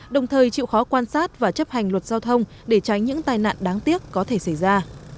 đồng thời chịu khó quan sát và chấp hành luật giao thông để tránh những tai nạn đáng tiếc có thể xảy ra